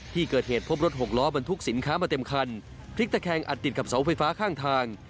ที่เกิดเหตุพบรถหกล้อบรรทุกสินค้ามาเต็มคันพลิกตะแคงอัดติดกับเสาไฟฟ้าข้างทาง